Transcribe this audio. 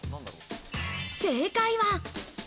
正解は。